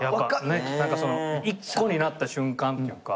何かその一個になった瞬間っていうか